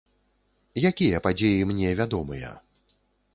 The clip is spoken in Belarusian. Якія падзеі мне вядомыя?